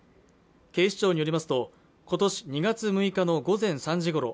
警視庁によりますとことし２月６日の午前３時ごろ